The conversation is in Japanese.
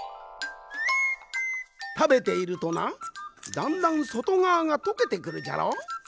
たべているとなだんだんそとがわがとけてくるじゃろ？